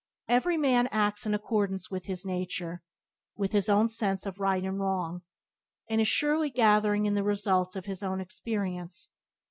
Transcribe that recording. Every man acts in accordance with his nature, with his own sense of right and wrong, and is surely gathering in the results of his own experience.